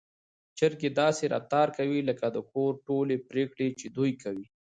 چرګې داسې رفتار کوي لکه د کور ټولې پرېکړې چې دوی کوي.